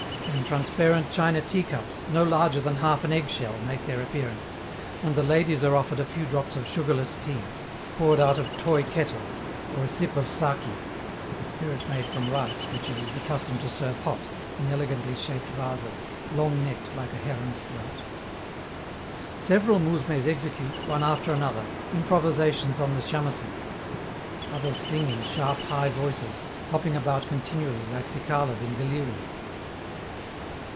Then transparent china teacups, no larger than half an egg shell, make their appearance, and the ladies are offered a few drops of sugarless tea, poured out of toy kettles, or a sip of 'saki' (a spirit made from rice which it is the custom to serve hot, in elegantly shaped vases, long necked like a heron's throat). Several mousmes execute, one after another, improvisations on the 'chamecen'. Others sing in sharp, high voices, hopping about continually, like cicalas in delirium.